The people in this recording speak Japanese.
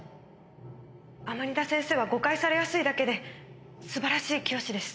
甘利田先生は誤解されやすいだけで素晴らしい教師です。